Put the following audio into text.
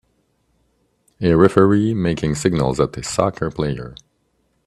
A referee making signals at a soccer player.